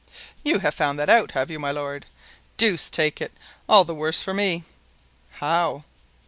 "You have found that out, have you, my lord? Deuce take it—all the worse for me!" "How?"